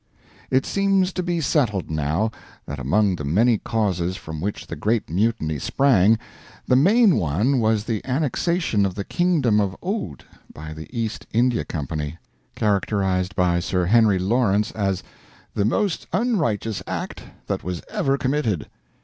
It seems to be settled, now, that among the many causes from which the Great Mutiny sprang, the main one was the annexation of the kingdom of Oudh by the East India Company characterized by Sir Henry Lawrence as "the most unrighteous act that was ever committed."